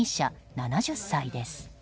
７０歳です。